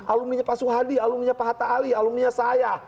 alumnya pak suhadi alumnya pak hatta ali alumnya saya